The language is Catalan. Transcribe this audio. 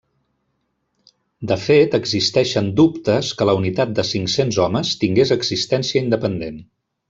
De fet existeixen dubtes que la unitat de cinc-cents homes tingués existència independent.